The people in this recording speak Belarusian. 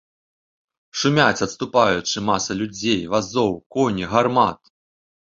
Шумяць, адступаючы, масы людзей, вазоў, коні, гармат.